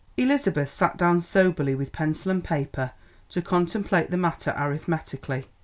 Elizabeth sat down soberly with pencil and paper to contemplate the matter arithmetically.